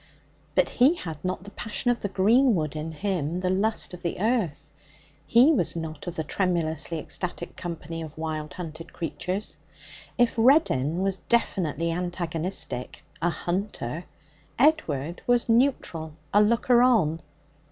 But he had not the passion of the greenwood in him, the lust of the earth. He was not of the tremulously ecstatic company of wild, hunted creatures. If Reddin was definitely antagonistic, a hunter, Edward was neutral, a looker on.